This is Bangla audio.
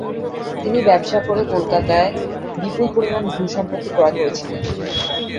তিনি ব্যবসা করে কলকাতায় বিপুল পরিমাণ ভূ-সম্পত্তি ক্রয় করেছিলেন।